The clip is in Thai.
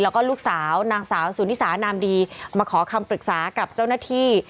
แล้วก็ลูกสาวนางสาวสุนิสานามดีมาขอคำปรึกษากับเจ้าหน้าที่